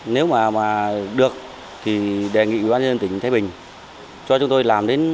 nếu mà được thì đề nghị ubnd tỉnh thái bình cho chúng tôi làm đến